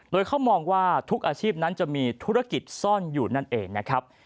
โดยเขามองว่าทุกอาชีพนั้นจะมีธุรกิจซ่อนอยู่นั่นเองนะครับ